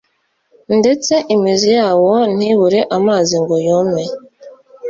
ndetse imizi yawo ntibure amazi ngo yume.